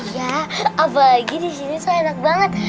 ya apalagi disini sangat enak banget